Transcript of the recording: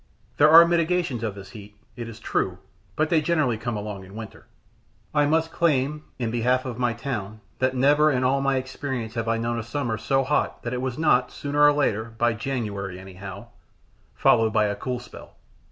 There are mitigations of this heat, it is true, but they generally come along in winter. I must claim, in behalf of my town, that never in all my experience have I known a summer so hot that it was not, sooner or later by January, anyhow followed by a cool spell.